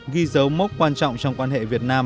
ghi dấu mốc quan trọng trong quan hệ việt nam